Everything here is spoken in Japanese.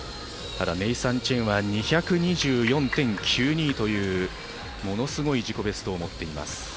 ネイサン・チェンは２２４．９２というものすごい自己ベストを持っています。